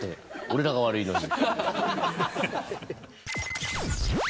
俺らが悪いのに。